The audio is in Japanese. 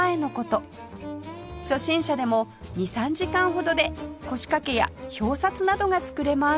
初心者でも２３時間ほどで腰掛けや表札などが作れます